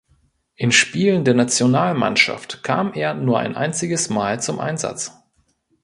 In Spielen der Nationalmannschaft kam er nur ein einziges Mal zum Einsatz.